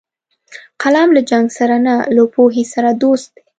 قلم له جنګ سره نه، له پوهې سره دوست دی